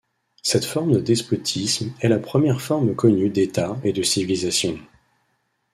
Cette forme de despotisme est la première forme connue d'État et de civilisation.